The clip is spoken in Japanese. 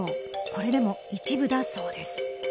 これでも一部だそうです。